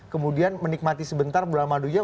kemudian menikmati sebentar bulan madunya